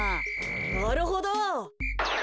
なるほど。